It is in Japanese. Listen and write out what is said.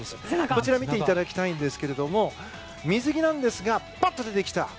こちら見ていただきたいんですけれども水着なんですがパッと出てきた。